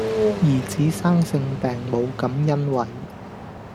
兒子生性病母感欣慰